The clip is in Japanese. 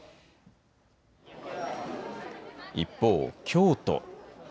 一方、京都。